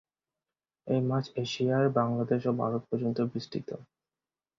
এই মাছ এশিয়ার বাংলাদেশ ও ভারত পর্যন্ত বিস্তৃত।